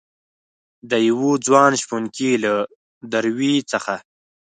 دیوه ځوان شپونکي له دروي څخه